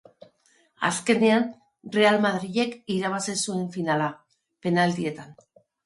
Azkenean Real Madrilek irabazi zuen finala, penaltietan.